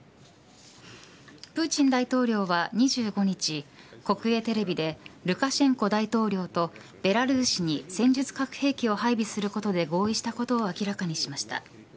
プーチン大統領は２５日国営テレビでルカシェンコ大統領とベラルーシに戦術核兵器を配備することで合意したことを明らかにしました。